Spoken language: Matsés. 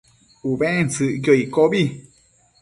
Ubentsëcquio iccobi